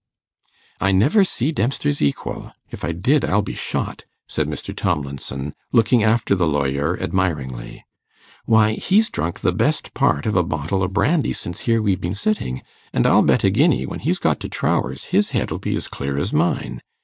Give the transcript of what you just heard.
'I never see Dempster's equal; if I did I'll be shot,' said Mr. Tomlinson, looking after the lawyer admiringly. 'Why, he's drunk the best part of a bottle o' brandy since here we've been sitting, and I'll bet a guinea, when he's got to Trower's his head'll be as clear as mine.